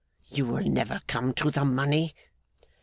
You will never come to the money?